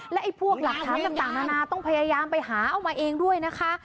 และไอ้พวกหลักฐานต่างนานาต้องพยายามไปหาเอามาเองด้วยนะคะ